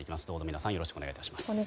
どうぞ皆さんよろしくお願い致します。